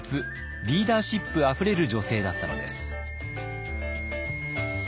リーダーシップあふれる女性だったのです。